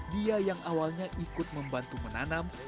dia yang awalnya ikut membantu menanam